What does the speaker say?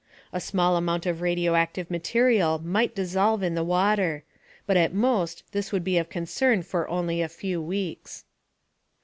A small amount of radioactive material might dissolve in the water, but at most this would be of concern for only a few weeks.